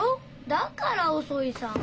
だから遅いさぁ。